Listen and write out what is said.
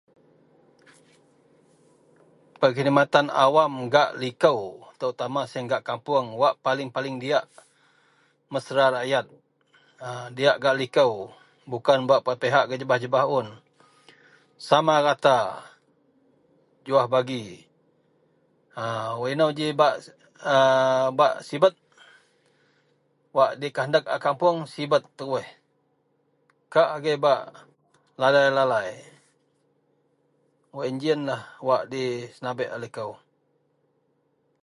Pehidmatan awam gak likou terutama gak kapuong wak paling-paling diyak mesra rayat. A diyak gak likou bukan bak bepihak gak jebah-jebah un. Sama rata, juwah bagi. Ha inou ji bak a bak sibet wak dikehendek a kapuong sibet teruh. Kak agei bak lalai-lalai. Wak jiyenlah jilah wak senabek a likou.